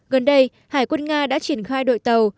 gần đây hải quân nga đã triển khai đội tàu